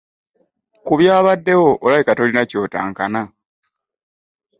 Ku byabaddewo olabika tolina ky'otankana.